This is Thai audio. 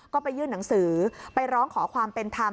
ก็ไปยื่นหนังสือไปร้องขอความเป็นธรรม